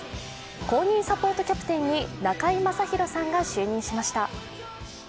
公認サポートキャプテンに中居正広さんが就任しました。